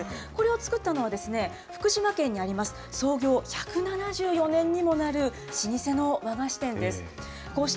これを作ったのは、福島県にあります、創業１７４年にもなる老舗の和菓子店です。